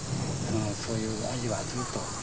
そういう味はずっと。